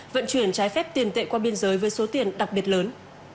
vận chuyển trái phép tiền tệ qua biên giới với số tiền đặc biệt lớn